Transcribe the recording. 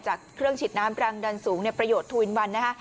จากเครื่องฉีดน้ำกลางดันสูงเนี่ยประโยชน์นะฮะ